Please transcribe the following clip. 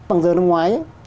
bằng giờ năm ngoái